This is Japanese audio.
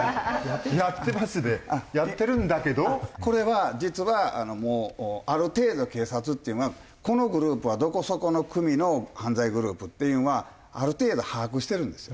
「やってます」で「やってるんだけど」？これは実はもうある程度警察っていうのはこのグループはどこそこの組の犯罪グループっていうのはある程度把握してるんですよ。